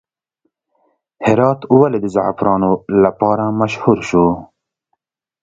هرات ولې د زعفرانو لپاره مشهور شو؟